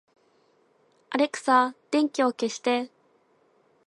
アレクサ、電気を消して